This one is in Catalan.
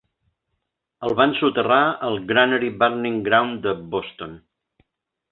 El van soterrar al Granary Burying Ground de Boston.